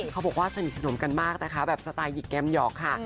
เขาบอกว่าสนิทสนมกันมากนะคะแบบสไตลหิกแกมหยอกค่ะ